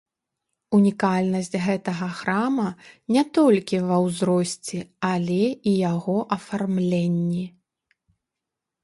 Унікальнасць гэтага храма не толькі ва ўзросце, але і яго афармленні.